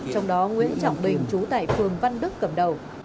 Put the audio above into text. trong đó nguyễn trọng bình chú tại phường văn đức cầm đầu